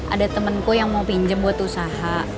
ada temenku yang mau pinjem buat usaha